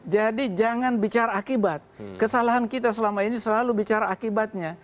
jadi jangan bicara akibat kesalahan kita selama ini selalu bicara akibatnya